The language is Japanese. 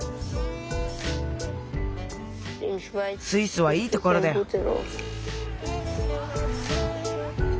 スイスはいいところだよ。